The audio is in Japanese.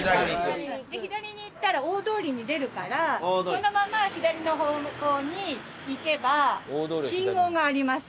で左に行ったら大通りに出るからそのまま左の方向に行けば信号があります。